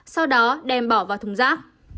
sau đó đem bỏ vào thùng rác